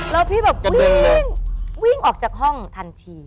แล้วพี่แบบวิ่งวิ่งออกจากห้องทันที